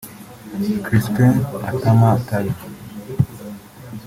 Crispin Atama Tabe